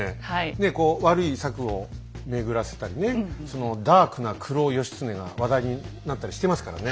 ねえこう悪い策を巡らせたりねそのダークな黒義経が話題になったりしてますからね。